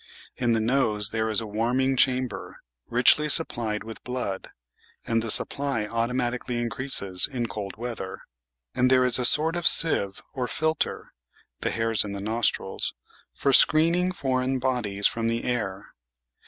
In the nose there is a warming chamber, richly supplied with blood (and the supply automatically increases in cold weather), and there is a sort of sieve or filter (the hairs in the nostrils) for "screening" foreign bodies from the air.